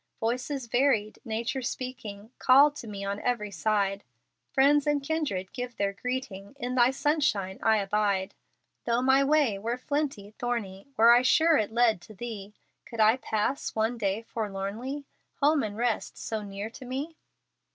Voices varied, nature speaking, Call to me on every side; Friends and kindred give their greeting, In Thy sunshine I abide. Though my way were flinty, thorny, Were I sure it led to Thee, Could I pass one day forlornly, Home and rest so near to me?